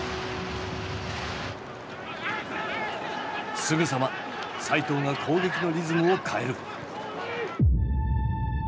すぐさま齋藤が攻撃のリズムを変える。